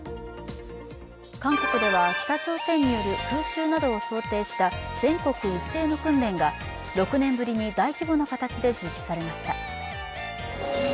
韓国では北朝鮮による空襲などを想定した全国一斉の訓練が６年ぶりに大規模な形で実施されました。